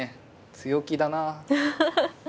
強気だな。